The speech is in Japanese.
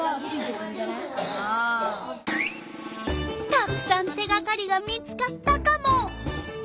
たくさん手がかりが見つかったカモ。